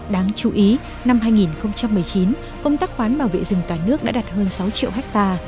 đáng chú ý năm hai nghìn một mươi chín công tác khoán bảo vệ rừng cả nước đã đạt hơn sáu triệu ha